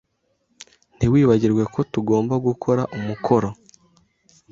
Ntiwibagirwe ko tugomba gukora umukoro.